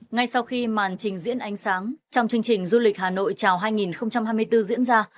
ngay sau khi màn trình diễn ánh sáng trong chương trình du lịch hà nội chào hai nghìn hai mươi bốn diễn ra